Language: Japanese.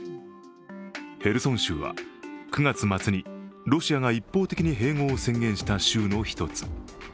ヘルソン州は９月末にロシアが一方的に併合を宣言した州の一つ。